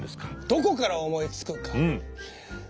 どこから思いつくか？